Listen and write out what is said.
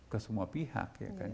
ke semua pihak ya kan